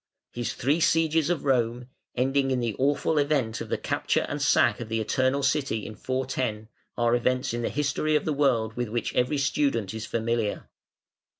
His three sieges of Rome, ending in the awful event of the capture and sack of the Eternal City in 410, are events in the history of the world with which every student is familiar.